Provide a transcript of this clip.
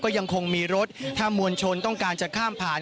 ยังคงมีรถถ้ามวลชนต้องการจะข้ามผ่าน